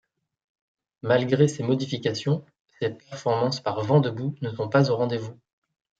Malgré ces modifications, ses performances par vent debout ne sont pas au rendez-vous.